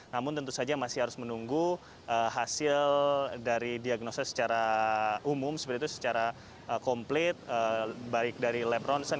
namun tentu saja masih harus menunggu hasil dari diagnosa secara umum seperti itu secara komplit baik dari lab ronsen